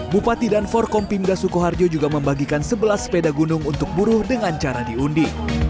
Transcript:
bupati dan forkompimda sukoharjo juga membagikan sebelas sepeda gunung untuk buruh dengan cara diundi